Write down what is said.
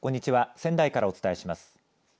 仙台からお伝えします。